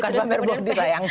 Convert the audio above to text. bukan pamer bodi sayang